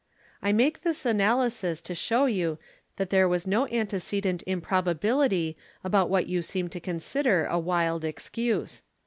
I make this analysis to show you that there was no antecedent improbability about what you seem to consider a wild excuse.